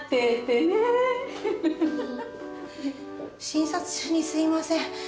診察中にすいません。